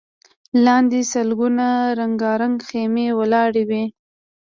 لاندې سلګونه رنګارنګ خيمې ولاړې وې.